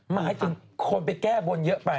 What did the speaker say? มาให้คนไปแค่บนเยอะไป